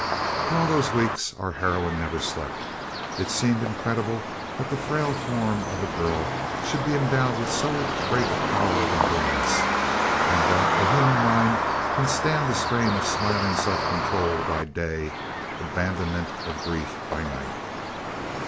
Through all those weeks our heroine never slept. It seems incredible that the frail form of a girl should be endowed with so great a power of endurance, and that the human mind can stand the strain of smiling self control by day, abandonment of grief by night.